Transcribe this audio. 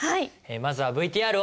まずはＶＴＲを。